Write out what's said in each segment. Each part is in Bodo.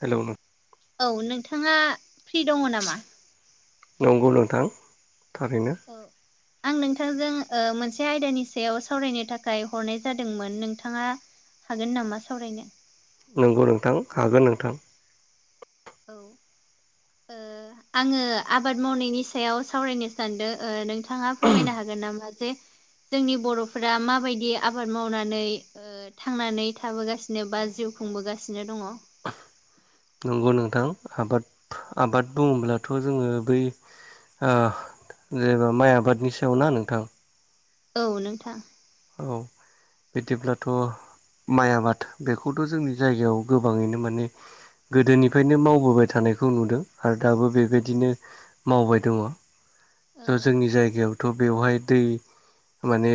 हेलौ नों औ नोंथांङा फ्रि दंङो नामा? नंगौ नोंथां थारैनो। औ। आं नोंथांजों ओ मोनसे आयदानि सायाव सावरायनो थाखाय हरनाय जादोंमोन नोंथांङा हागोन नामा सावरायनो? नंगौ नोंथां हागोन नोंथां। औ। ओ आंङो आबाद मावनायनि सायाव सावरायनो सानदों ओ नों थांङा फोरमायनो हागोन नामा जे जोंनि बर'फोरा माबायदि आबाद मावनानै ओ थांनानै थाबोगासिनो बा जिउ खुंबोगासिनो दंङ। नंगौ नोंथां आबाद आबाद बुंङोब्ला थ' जोंङो बै ओ जेनेबा माइ आबादनि सायाव ना नोंथां? औ नोंथां। औ बिदिब्लाथ' माइ आबाद बेखौथ' जोंनि जायगायाव गोबांङैनो माने गोदोनिफ्रायनो मावबोबाय थानायखौ नुदों आरो दाबो बेबायदिनो मावबाय दंङ। औ ज-जोंनि जायगायावथ' बेवहाय दै माने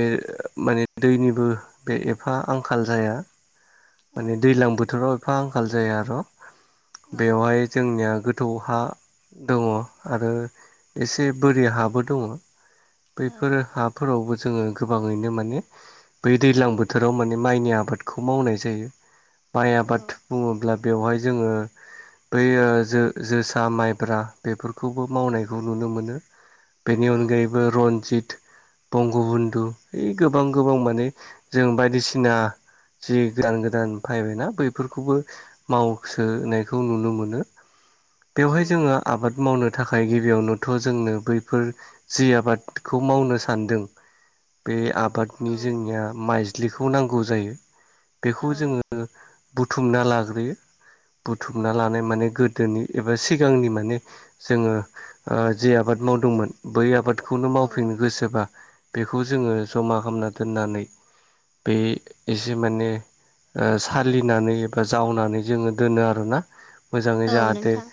माने दैनिबो बे एफा आंखाल जाया औ माने दैज्लां बोथोराव फा आंखाल जाया आरो' औ बेवहाय जोंनिया गोथौ हा दंङो आरो एसे बोरि हाबो दंङो औ बैफोर हा फोरावबो जोंङो गोबांङैनो मा बै दैज्लां बोथोराव माने माइनि आबादखौ मावनाय जायो। माइ औ आबाद बुंङोब्ला बेवहाय जोंङो बै ओ जो-जोसा माइब्रा बेफोरखौबो मावनायखौ नुनो मोनो। बेनि औ अनगायैबो रनजित बंग' बन्धु गोबां गोबां माने जों बायदिसिना जि गोदान गोदान फायबायना बैफोरखौबो मावसोनायखौ नुनो मोनो। बेवहाय जोंहा औ आबाद मावनो थाखाय गिबियावनोथ' जोंनो बैफोर जि आबादखौ मावनो सान्दों बे आब आबादनि जोंनिया माइज्लिखौ नांगौ जायो। औ बेखौ जोङो ओ बुथुमना लाग्रोयो। बुथुमना लानाय माने गोदोनि एबा सिगांनि माने जोङो ओ जि आबाद मावदोंमोन बै आबादखौनो औ मावफिनो गोसोबा बेखौ जोङो जमा खालामना दोननानै बे एसे माने ओ सालिनानै एबा जावनानै जोङो दोनो आरोना। मोजाङै औ जाहाथे नोंथां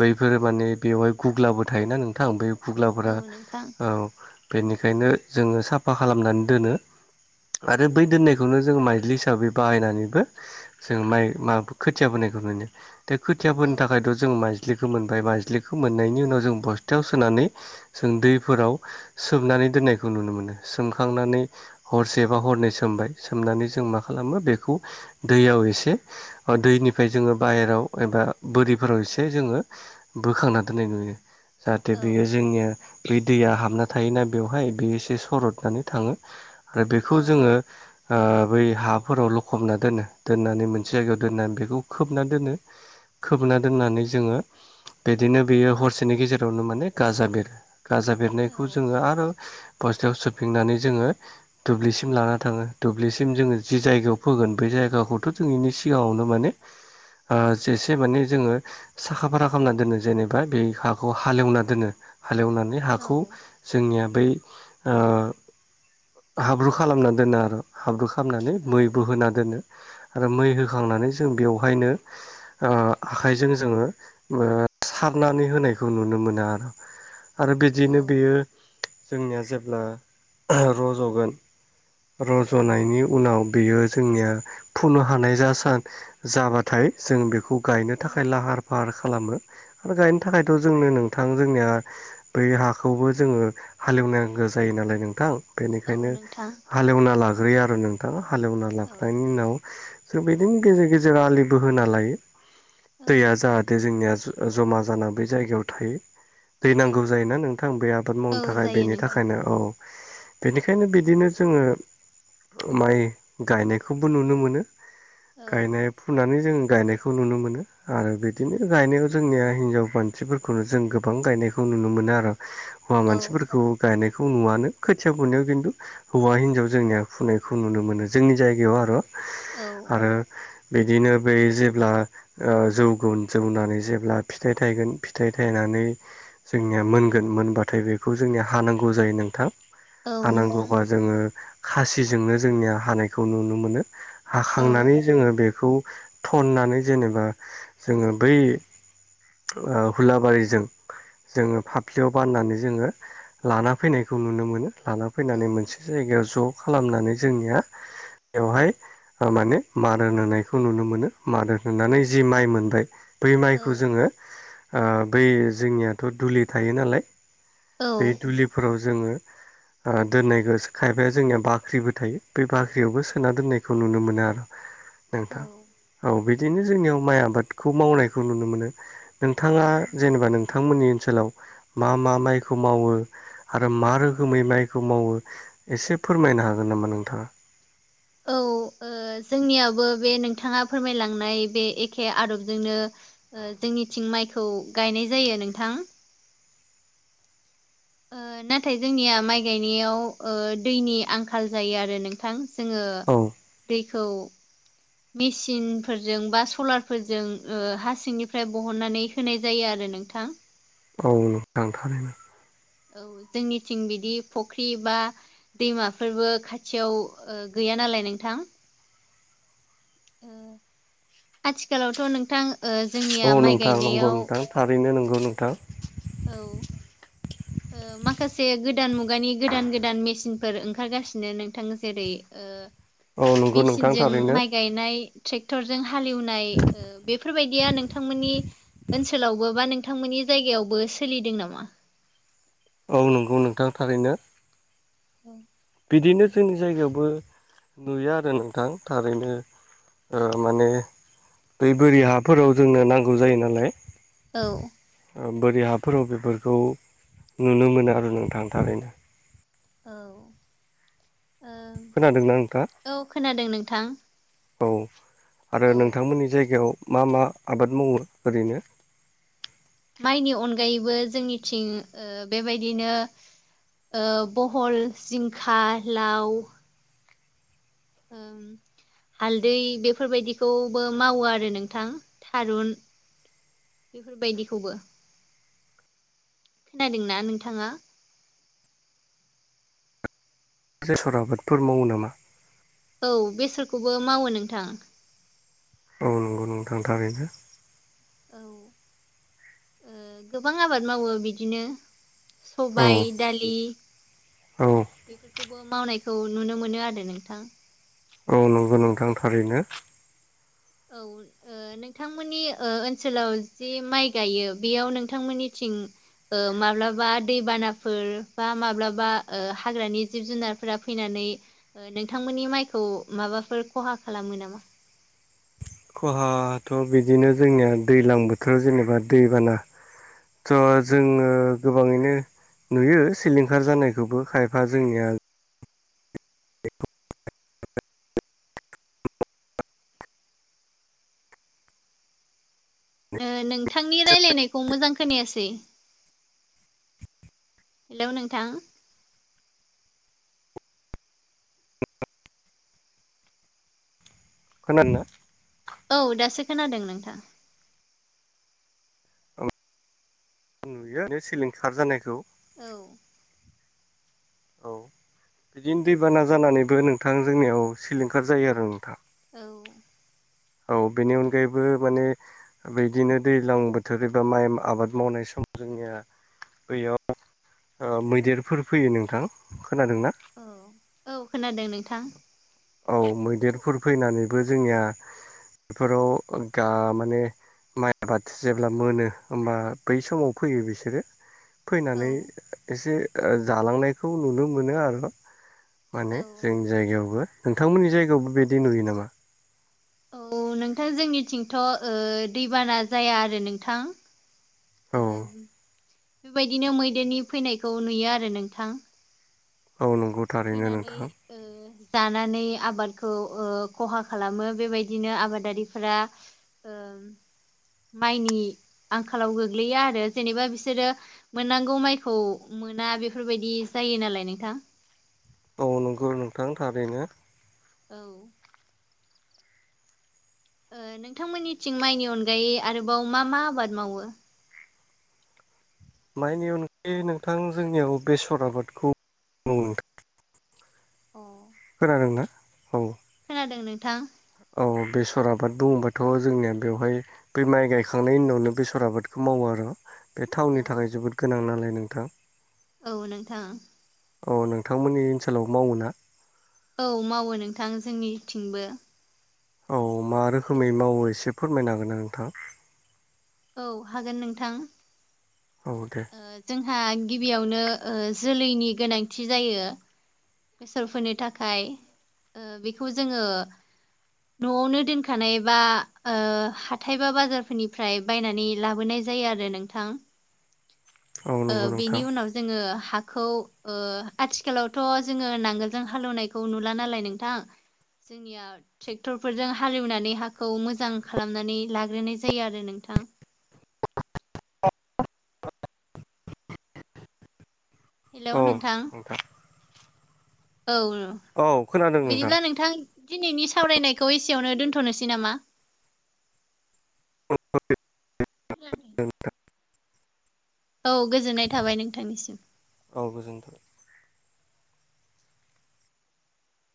बैफोर माने बेवहाय गुग्लाबो थायोना नोंथां बे गुग्लाफोरा औ बेनिखायनो जोङो साफा खालामनानै दोनो। आरो बै दोन्नायखौनो जों माइज्लि हिसाबै बाहायनानैबो जों माइ माब खोथिया बोनायखौ नुो दा खोथिया औ बोनो थाखायथ' जों माइ ज्लिखौ मोनबाय बा मायज्लिखौ मोननायनि उनाव जों बस्थायाव सोनानै जों दैफोराव सोमनानै दोननायखौ नुनो मोनो। सोमखांनानै हरसेबा हरनै सोमबाय सोमनानै जों मा खालामो बेखौ दैयाव एसे दैनिफ्राय जोङो बाहेरायाव एबा बोरिफोराव एसे जोङो बोखांना दोननाय नुयो। जाहाथे औ बेयो जोंनिया बै दैया हाबना थायोना बेवहाय बे एसे सरद नानै थाङो आरो औ बेखौ जोङो ओ बै हाफोराव लखबना दोनो दोननानै मोनसे जायगायाव दोननानै बेखौ खोबना दोनो। खोबना दोननानै जोङो बिदिनो बेयो हरसेनि गेजेरावनो माने गाजा बेरो। गाजा औ बेरनायखौ जोङो आरो बस्थायाव सोफिनानै जोङो दुब्लिसिम लाना थाङो दुब्लिसिम जोङो जि जायगायाव फोगोन बेै जायगाखौथ' जों इनि सिगाङावनो माने आ जेसे माने जोङो साखा फारा खालामना दोनो जेनेबा बे हाखौ हालेवना दोनो हालेवनानै औ हाखौ जोंनिया बै ओ हाब्रु खालामना दोनो आरो हाब्रु खालामनानै औ मैबो होना दोनो। आरो मै होखांनानै जों बेवहायनो आखाइजों जोङो ओ सारनानै होनायखौ नुनो मोनो आरो। आरो औ बिदियैनो बेयो जोंनिया जेब्ला रज'गोन रज'नायनि उनाव बियो जोंनिया फनो हानाय जासान जाबाथाय जों बेखौ गायनो थाखाय लाहार फाहार खा खालामो आरो गायनो थाखायथ' जोंनो नोंथां जोंनिया बै हाखौबो जोङो हालेवनांगौ जायो नालाय नोंथां औ बेनिखायनो नोंथां हालएवना लाग्रोयो आरो नोंथाङा हालेवना औ लाखनायनि उनाव जों बिदिनो गेजेर गेजेर आलिबो होना लायो। औ दैया जाहाथे जोंनिया जमा जाना बै जायगायाव थायो। दै औ नांगौ जायोना नोंथां बे आबाद औ मावनो थाखाय जायो बेनि नोंथां थाखायनो औ बेनिखायनो बिदिनो जोङो माइ गायनायखौबो नुनो मोनो औ गायनाया फुनानै जोंङो गायनायखौ नुनो मोनो आरो बिदिनो गायनायाव जोंनिया हिनजाव मानसिफोर खौनो जों गोबां गायनायखौ नुनो मोनो आरो हौवा औ मानसिफोरखौ गायनायखौ नुवनो खोथिया फुनायाव खिन्थु हौवा हिन्जाव जोंनिया फुनायखौ नुनो मोनो जोंनि जायगायाव आरो। औ आरो बिदिनो बै जेब्ला ओ जौगोन जौनानै जेब्ला फिथाइ थायगोन फिथाइ थायनानै जोंनिया मोनगोन मोनबाथाय बेखौ जोंनिया हानांगौ जायो नोंथां। औ नोंथां हानांगौबा जोङो खासिजोंनो जोंनिया हानायखौ नुनो मोनो औ हाखांनानै जोङो बेखौ थननानै जेनेबा जोङो बै हुलाबारिजों जोङो फाफ्लियाव बाननानै जोङो लाना फैनायखौ नुनो मोनो लाना फैनानै मोनसे औ जायगायाव ज' खालामनानै जोंनिया बेवहाय माने मार होन होनायखौ नुनो मोनो मार होन होनानै जि माइ मोनबाय बै माइखौ जोङो ओ बै जोंनियाथ' दुलि थायो नालाय औ बे दुलिफोराव जोंङो ओ दोन्नायखौ खायफाया जोंनिया बाख्रिबो थायो बे बाख्रियावबो सोना दोन्नायखौ नुनो मोनो आरो [inaudible] नोंथां औ बिदिनो जोंनियाव माइ आबादखौ मावनायखौ नुनो मोनो नोंथाङा जेनेबा नोंथांमोननि ओनसोलाव मा मा माइखौ मावो आरो मा रोखोमै माइ खौ मावो एसे फोरमायनो हागोन नामा नोंथाङा औ ओ जोंनियावबो बे नोंथाङा फोरमायलांनाय बे एखे आदबजोंनो ओ जोंनिथिं माइखौ गायनाय जायो नोंथां ओ नाथाय जोंनिया माइ गायनायाव ओ दैनि आंखाल जायो आरो नों थां जोंङो औ दैखौ मेसिनफोरजों बा सलारफोरजों ओ हा सिंनिफ्राय बहननानै होनाय जायो आरो नोंथां औ नोंथां थारैनो औ जोंनिथिं बिदि फुख्रि बा दैमाफोरबो खाथियाव ओ गैया नालाय नोंथां ओ आथिखालावथ' नोंथां ओ औ जोंनिया माइ नोंथां नंगौ गायनायाव नोंथां थारैनो नंगौ नोंथां औ ओ माखासे गोदान मुगानि गोदान गोदान मेसिनफोर ओंखारगासिनो नोंथां जेरै ओ औ नंगौ नोंथां मेसिनजों थारैनो माइ गायनाय ट्रेक्टरजों हालेवनाय ओ बे फोरबायदिया नोंथांमोननि ओनसोलावबो बा नोंथांमोननि जायगायावबो सोलिदों नामा? औ नंगौ नोंथां थारैनो औ बिदिनो जोंनि जायगायावबो नुयो आरो नोंथां थारैनो ओ माने दै बोरि हाफोराव जोंनो नांगौ जायो नालाय औ ओ बोरै हाफोराव बेफोरखौ नुनो मोनो आरो नोंथां थारैनो औ ओ खोनादोंना नोंथा औ खोनादों नोंथां औ आरो औ नोंथांमोननि जायगायाव मा मा आबाद मावो ओरैनो माइनि अनगायैबो जोंनिथिं ओ बेबायदिनो ओ बहल जिंखा लाव ओं हालदै बेफोरबायदिखौबो मावो आरो नोंथां थारुन बेफोरबायदिखौबो, खोनादोंना नोंथाङा? [unintelligible] आबादफोर मावो नामा? औ बेसरखौबो मावो नोंथां औ नंगौ नोंथां थारैनो औ ओ गोबां आबाद मावो बिदिनो औ सबाय दालि औ बेफोरखौबो मावनायखौ नुनो मोनो आरो नोंथां औ ओ नंगौ नोंथां थारैनो। औ ओ नोंथांमोननि ओ ओनसोलाव जि माइ गायो बेयाव नोंथांमोननिथिं ओ माब्लाबा दैबानाफोर बा माब्लाबा ओ हाग्रानि जिब जुनार फोरा फैनानै ओ नोंथांमोननि माइखौ माबाफोर खहा खालामो नामा? खहाथ' बिदिनो जोंनिया दैज्लां बोथोर जेनेबा दैबाना थ' जोङो गोबाङैनो। नुयो सिलिंखार जानायखौबो खायफा जोंनिया। ओ नोंथांनि राय्लायनायखौ मोजां खोनायासै। हेलौ नोंथां। खोनादोंना। औ दासो खोनादों नोंथां। नुयो सिलिंखार जानायखौ। औ। औ बिदिनो दैबाना जानानैबो नोंथां जोंनियाव सिलिंखार जायो आरो नोंथां। औ। औ बेनि अनगायैबो माने बिदिनो दैज्लां बोथोर एबा माइ आबाद मावनाय समाव जोंनिया। बैयाव मैदेरफोर फैयो नोंथां खोनादोंना। औ औ खोनादों नोंथां। औ मैदेरफोर फैनानैबो जोंनिया बेफोराव गा माने। माइ आबाद जेब्ला मोनो होमबा बै समाव फैयो बिसोरो। औ फैनानै एसे जालांनायखौ नुनो मोनो आरो। औ माने जोंनि जायगायावबो नोंथांमोननि जायगायावबो बिदि नुयो नामा। औ नोंथां जोंनिथिंथ' ओ दैबाना जाया आरो नोंथां। औ बेबायदिनो मैदेरनि फैनायखौ नुयो आरो नोंथां। औ नंगौ थारैनो फैनानै नोंथां ओ जानानै आबादखौ ओ खहा खालामो बेबायदिनो आबादारिफोरा। ओ माइनि आंखालाव गोग्लैया आरो जेनेबा बिसोरो मोननांगौ माइखौ मोना बेफोरबायदि जायो नालाय नोंथां। औ नंगौ नोंथां थारैनो। औ। ओ नोंथांमोननिथिं माइनि अनगायै आरोबाव मा मा आबाद मावो? मायनि अनगायै नोंथां जोंनियाव बेसर आबादखौ मावो नोंथां। अ खोनादों ना औ। खोनादों नोंथां। औ बेसर आबाद बुङोबाथ' जोंनिया बेवहाय बे माइ गायखांनायनि उनावनो बेसर आबादखौ मावो आरो। बे थावनि औ थाखाय जोबोद गोनां नालाय नोंथां। औ नोंथां। अ नोंथांमोननि ओनसोलावबो मावो ना? औ मावो नोंथां जोंनिथिंबो। औ मा रोखोमै बेसरखौ मावो एसे फोरमायनो हागोन ना नोंथां? औ हागोन नोंथां। औ दे। ओ जोंहा गिबियावनो ओ जोलैनि गोनांथि जायो। बेसरफोरनि थाखाय ओ बेखौ जोङो। न'आवनो दोनखानाय बा ओ हाथाय बा बाजारफोरनिफ्राय। बायनानै लाबोनाय जायो आरो नोंथां। औ ओ नंगौ बेनि नोंथां उनाव जोङो हाखौ ओ आथिखालावथ' जोङो नांगोलजों हालेवनायखौ नुला नालाय नोंथां जोंनिया ट्रेक्टरफोरजों हालेवनानै हाखौ मोजां खालामनानै लाग्रोनाय जायो आरो नोंथां। हेलौ औ नोंथां औ औ खोनादों बिदिब्ला नोंथां दिनैनि सावरायनायखौ एसेयावनो दोन्थ'नोसै नामा? [inaudible] औ गोजोननाय थाबाय नोंथांनिसिम। औ गोजोनथों।